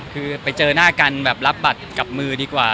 คือไปเจอหน้ากันแบบรับบัตรกับมือดีกว่า